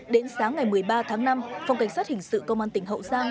đến sáng ngày một mươi ba tháng năm phòng cảnh sát hình sự công an tỉnh hậu giang